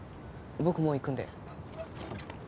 僕もう行くんで。